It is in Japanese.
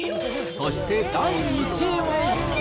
そして第１位は。